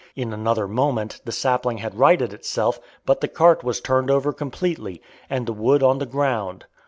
In another moment the sapling had righted itself, but the cart was turned over completely, and the wood on the ground.